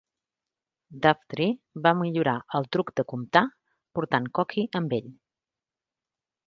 Daughtry va millorar el truc de comptar portant Cocky amb ell.